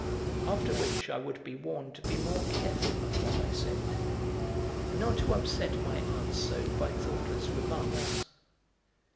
After which I would be warned to be more careful of what I said, and not to upset my aunt so by thoughtless remarks.